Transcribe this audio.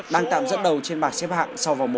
đang tạm dẫn đầu trên bảng xếp hạng sau vòng một